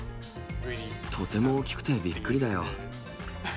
とても大きくてびっくりだよ。